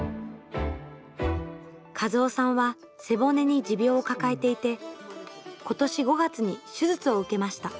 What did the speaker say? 一夫さんは背骨に持病を抱えていて今年５月に手術を受けました。